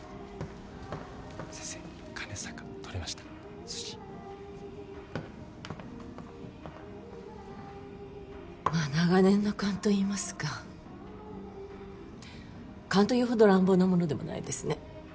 先生かねさか取れました寿司まあ長年の勘といいますか勘というほど乱暴なものでもないですね